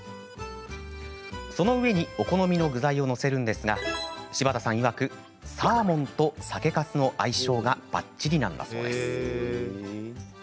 その上にお好みの具材を載せるんですが柴田さんいわくサーモンと酒かすの相性がばっちりなんだそうです。